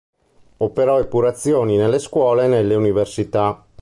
Operò epurazioni nelle scuole e nelle università.